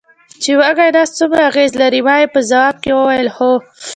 چې وږی نس څومره اغېز لري، ما یې په ځواب کې وویل: هو.